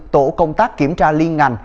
tổ công tác kiểm tra liên ngành